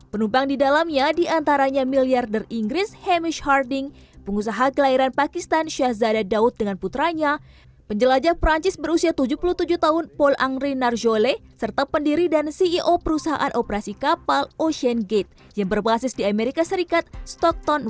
penumpang di dalamnya diantaranya miliarder inggris hamish harding pengusaha kelahiran pakistan syazada daud dengan putranya penjelajah perancis berusia tujuh puluh tujuh tahun pol angri narjole serta pendiri dan ceo perusahaan operasi kapal ocean gate yang berbasis di amerika serikat stocktone